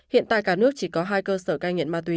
hiện tại cả nước chỉ có hai cơ sở cai nghiện ma túy